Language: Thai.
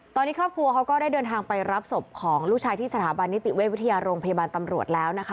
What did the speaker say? ตอนนี้ครอบครัวเขาก็ได้เดินทางไปรับศพของลูกชายที่สถาบันนิติเวชวิทยาโรงพยาบาลตำรวจแล้วนะคะ